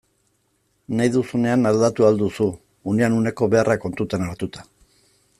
Nahi duzunean aldatu ahal duzu, unean uneko beharrak kontuan hartuta.